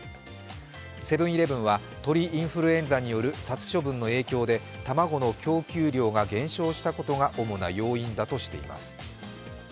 セブン−イレブンは鳥インフルエンザによる殺処分の影響で卵の供給量が減少したことが主な要因だとしています。